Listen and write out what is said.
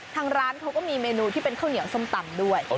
ทางร้านเขาก็มีเมนูที่เป็นข้าวเหนียวส้มตำด้วย